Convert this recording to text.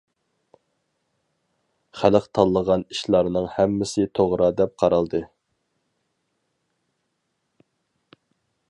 خەلق تاللىغان ئىشلارنىڭ ھەممىسى توغرا دەپ قارالدى.